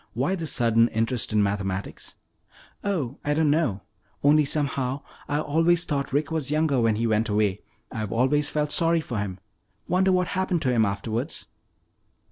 "Why this sudden interest in mathematics?" "Oh, I don't know. Only somehow I always thought Rick was younger when he went away. I've always felt sorry for him. Wonder what happened to him afterwards?"